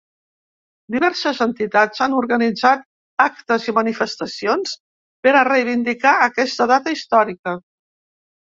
Diverses entitats han organitzat actes i manifestacions per a reivindicar aquesta data històrica.